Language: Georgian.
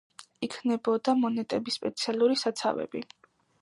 იქმნებოდა მონეტების სპეციალური საცავები.